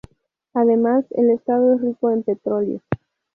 Además, el estado es rico en petróleo.